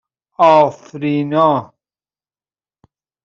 افرینا